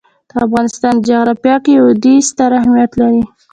د افغانستان جغرافیه کې وادي ستر اهمیت لري.